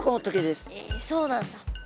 えそうなんだ。